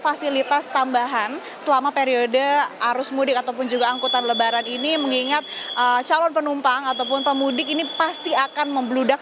arus mudik ataupun juga angkutan lebaran ini mengingat calon penumpang ataupun pemudik ini pasti akan membeludak